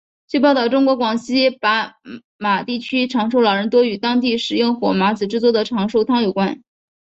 据报道中国广西巴马地区长寿老人多与当地食用火麻子制作的长寿汤有关。